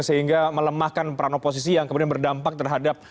sehingga melemahkan peran oposisi yang kemudian berdampak terhadap